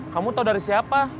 kamu tahu dari siapa